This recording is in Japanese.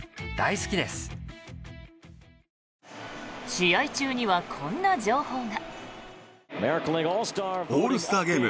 試合中にはこんな情報が。